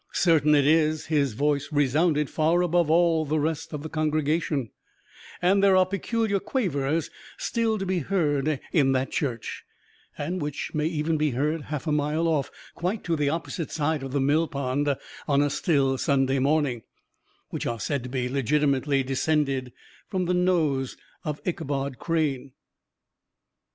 Certain it is, his voice resounded far above all the rest of the congregation, and there are peculiar quavers still to be heard in that church, and which may even be heard half a mile off, quite to the opposite side of the mill pond, on a still Sunday morning, which are said to be legitimately descended from the nose of Ichabod Crane.